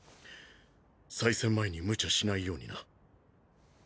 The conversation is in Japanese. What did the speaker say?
再戦前に無茶しないようにな。